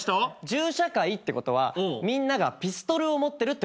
銃社会ってことはみんながピストルを持ってるってことなんだ。